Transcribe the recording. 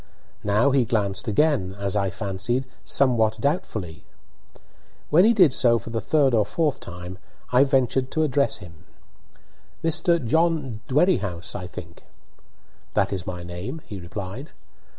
Now he glanced again, as I fancied, somewhat doubtfully. When he did so for the third or fourth time I ventured to address him. "Mr. John Dwerrihouse, I think?" "That is my name," he replied.